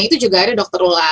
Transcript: itu juga ada dokter lula